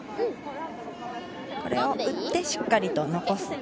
これを打って、しっかりと残す。